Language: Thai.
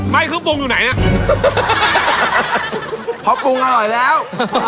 ไม่คือปรุงอยู่ไหนน่ะเพราะปรุงอร่อยแล้ว